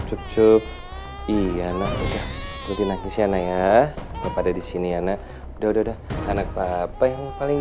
cukup iya nah udah lebih nakis ya nah ya kepada di sini ana udah anak papa yang paling